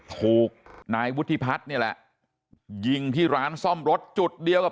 ถูกนายวุฒิพัฒน์นี่แหละยิงที่ร้านซ่อมรถจุดเดียวกับ